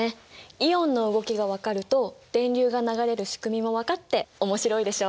イオンの動きが分かると電流が流れる仕組みも分かって面白いでしょ？